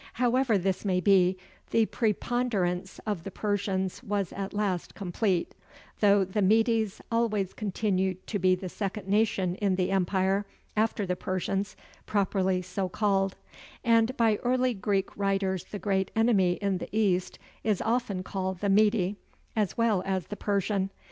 However this may be, the preponderance of the Persians was at last complete: though the Medes always continued to be the second nation in the empire, after the Persians, properly so called; and by early Greek writers the great enemy in the East is often called "the Mede" as well as "the Persian."